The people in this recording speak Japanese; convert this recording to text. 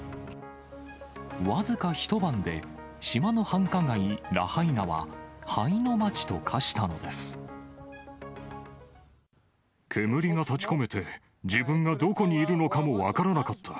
僅か一晩で、島の繁華街、煙が立ちこめて、自分がどこにいるのかも分からなかった。